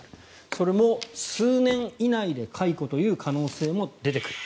それも数年以内で解雇という可能性も出てくる。